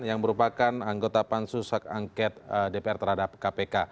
yang merupakan anggota pansu sak angket dpr terhadap kpk